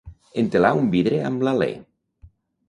Entelar un vidre amb l'alè.